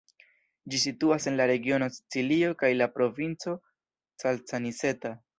Ĝi situas en la regiono Sicilio kaj la provinco Caltanissetta.